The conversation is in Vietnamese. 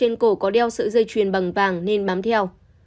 trên cổ có đeo sợi dây chuyền bằng vàng nên bám theo